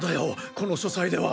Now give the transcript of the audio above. この書斎では。